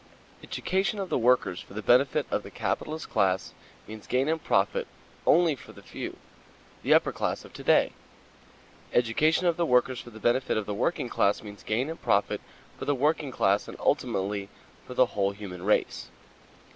Education of the workers for the benefit of the capitalist class means gain and profit only for the few, the upper class of to day. Education of the workers for the benefit of the working class means gain and profit for the working class and ultimately for the whole human race.